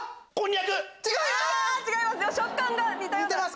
違います！